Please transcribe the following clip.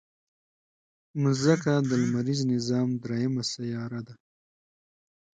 مځکه د لمریز نظام دریمه سیاره ده.